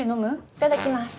いただきます。